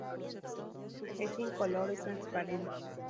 Es incoloro y transparente.